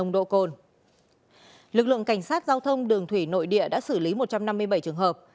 lực lượng cảnh sát giao thông đường thủy nội địa đã xử lý một trăm năm mươi bảy trường hợp